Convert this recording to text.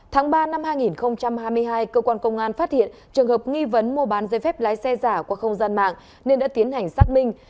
tháng ba năm hai nghìn hai mươi hai cơ quan công an phát hiện trường hợp nghi vấn mua bán dây phép lái xe giả qua không gian mạng nên đã tiến hành xác minh